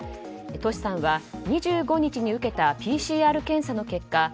トシさんは２５日に受けたＰＣＲ検査の結果